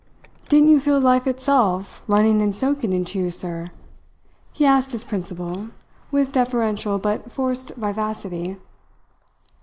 "Didn't you feel life itself running and soaking into you, sir?" he asked his principal, with deferential but forced vivacity.